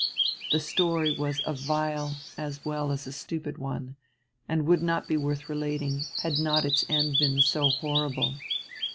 The story was a vile as well as stupid one, and would not be worth relating had not its end been so horrible.